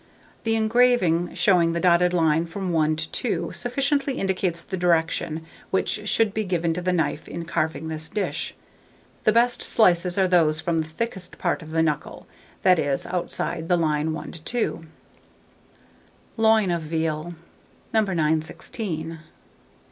The engraving, showing the dotted line from 1 to 2, sufficiently indicates the direction which should be given to the knife in carving this dish. The best slices are those from the thickest part of the knuckle, that is, outside the line 1 to 2. LOIN OF VEAL. [Illustration: LOIN OF VEAL.] 916.